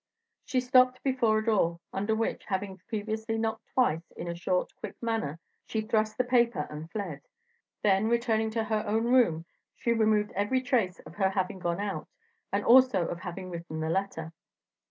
She stopped before a door, under which, having previously knocked twice in a short, quick manner, she thrust the paper, and fled. Then, returning to her own room, she removed every trace of her having gone out, and also of having written the letter.